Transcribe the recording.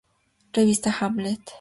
Revista Hamlet.